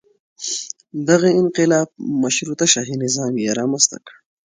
دغه انقلاب مشروطه شاهي نظام یې رامنځته کړ.